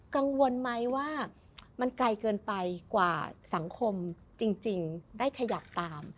กังวลไหมว่ามันไกลเกินไปกว่าสังคมจริงได้ขยับตาม